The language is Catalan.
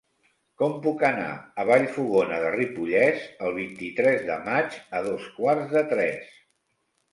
Com puc anar a Vallfogona de Ripollès el vint-i-tres de maig a dos quarts de tres?